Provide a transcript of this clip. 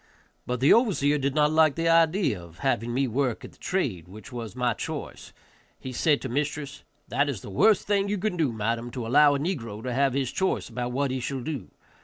But the overseer did not like the idea of having me work at the trade which was my choice. He said to mistress, "That is the worst thing you can do, madam, to allow a negro to have his choice about what he shall do.